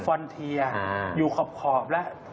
ฟอนเทียอยู่ขอบแล้ว